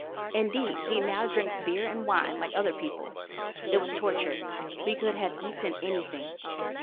Indeed he now drinks beer and wine like other people. It was torture; we could have eaten anything.